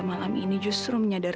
bahkan masa dulu mother